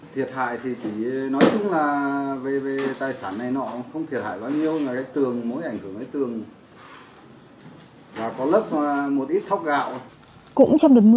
thiệt hại thì chỉ nói chung là về tài sản này nọ không thiệt hại bao nhiêu